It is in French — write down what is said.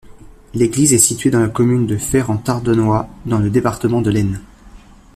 L'église est située sur la commune de Fère-en-Tardenois, dans le département de l'Aisne.